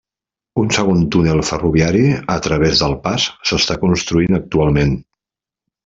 Un segon túnel ferroviari a través del pas s'està construint actualment.